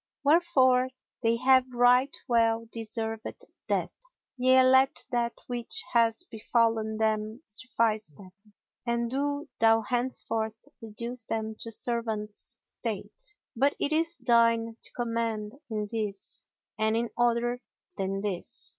Wherefore they have right well deserved death; yet let that which hath befallen them suffice them, and do thou henceforth reduce them to servants' estate. But it is thine to command in this and in other than this."